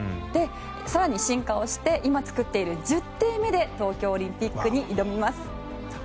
更に進化をして今作っている１０艇目で東京オリンピックに挑みます。